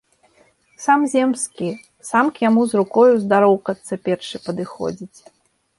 Сам земскі, сам к яму з рукою здароўкацца першы падыходзіць.